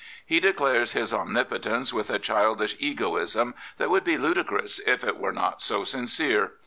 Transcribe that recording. He declares his omnipotence with a childish egoism that would be ludicrous if it were not so sincere.